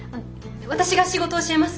私が仕事教えます。